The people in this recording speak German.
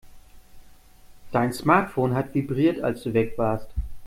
Dein Smartphone hat vibriert, als du weg warst.